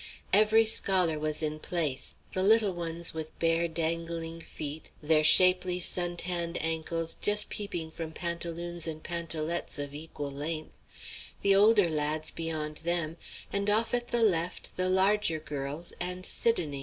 Every scholar was in place the little ones with bare, dangling feet, their shapely sun tanned ankles just peeping from pantaloons and pantalettes of equal length; the older lads beyond them; and off at the left the larger girls, and Sidonie.